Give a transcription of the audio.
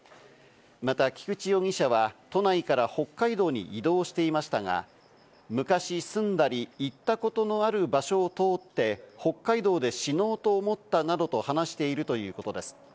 また菊池容疑者は都内から北海道に移動していましたが、昔、住んだり、行ったことのある場所を通って北海道で死のうと思ったなどと話しているということです。